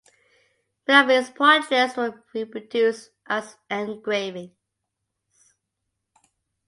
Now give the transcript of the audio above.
Many of his portraits were reproduced as engravings.